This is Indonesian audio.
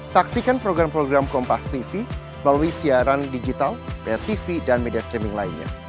saksikan program program kompas tv melalui siaran digital tv dan media streaming lainnya